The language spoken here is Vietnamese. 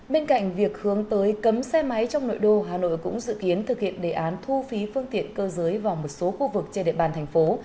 bên cạnh việc hướng tới cấm xe máy trong nội đô hà nội cũng dự kiến thực hiện đề án thu phí phương tiện cơ giới vào một số khu vực trên địa bàn thành phố